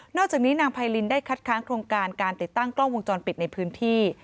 อกจากนี้นางไพรินได้คัดค้างโครงการการติดตั้งกล้องวงจรปิดในพื้นที่